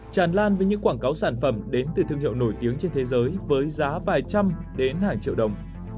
tràn lan với những quảng cáo sản phẩm đến từ thương hiệu nổi tiếng trên thế giới với giá vài trăm đến hàng triệu đồng